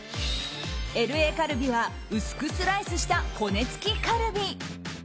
ＬＡカルビは薄くスライスした骨付きカルビ。